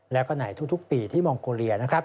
แล้วก็ในทุกปีที่มองโกเลียนะครับ